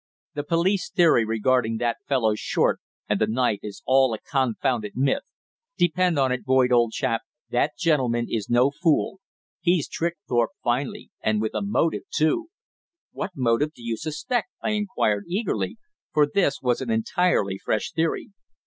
The police theory regarding that fellow Short and the knife is all a confounded myth. Depend upon it, Boyd, old chap, that gentleman is no fool. He's tricked Thorpe finely and with a motive, too." "What motive do you suspect?" I inquired, eagerly, for this was an entirely fresh theory.